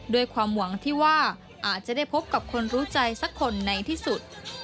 ด้วยความหวังที่ว่าอาจจะได้พบกับคนรู้ใจสักคนในที่สุด